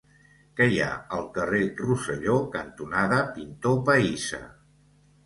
Què hi ha al carrer Rosselló cantonada Pintor Pahissa?